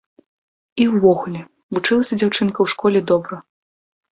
І ўвогуле, вучылася дзяўчынка ў школе добра.